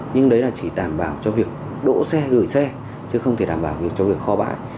nhưng đấy là chỉ đảm bảo cho việc đỗ xe gửi xe chứ không thể đảm bảo được cho việc kho bãi